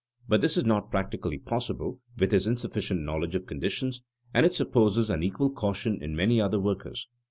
But this is not practically possible with his insufficient knowledge of conditions, and it supposes an equal caution in many other workers.